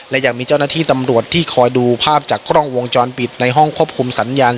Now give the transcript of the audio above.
และยังมีเจ้าหน้าที่ตำรวจที่คอยดูภาพจากกล้องวงจรปิดในห้องควบคุมสัญญาณ